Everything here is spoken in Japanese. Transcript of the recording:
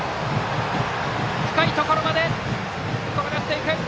深いところまで転がっていった。